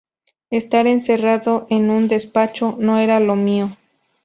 Estar encerrado en un despacho no era lo mío.